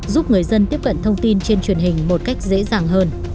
giúp người dân tiếp cận thông tin trên truyền hình một cách dễ dàng hơn